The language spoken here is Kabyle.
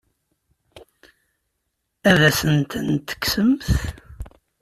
Ad asen-ten-tekksemt?